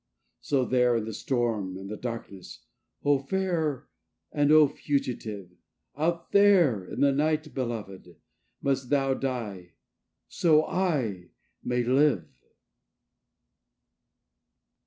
So there in the storm and the darkness, O fair, and O fugitive! Out there in the night, belovéd, must thou die so I may live!